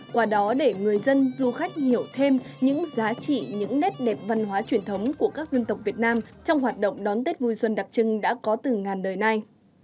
qua đó để người dân du khách hiểu thêm những giá trị những nét đẹp văn hóa truyền thống của các dân tộc việt nam trong hoạt động đón tết vui xuân đặc trưng đã có từ ngàn đời nay